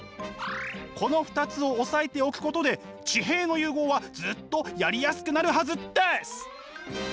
この２つを押さえておくことで地平の融合はずっとやりやすくなるはずです。